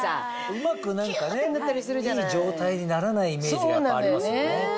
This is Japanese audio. うまく何かねいい状態にならないイメージがやっぱありますよね。